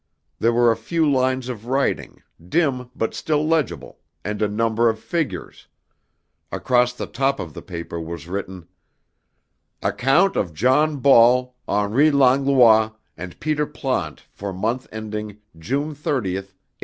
There were a few lines of writing, dim but still legible, and a number of figures. Across the top of the paper was written, "Account of John Ball, Henri Langlois, and Peter Plante for month ending June thirtieth, 1859."